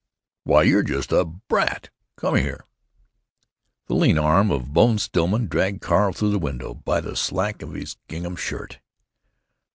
"Why, you're just a brat! Come here." The lean arm of Bone Stillman dragged Carl through the window by the slack of his gingham waist.